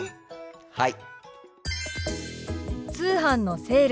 はい。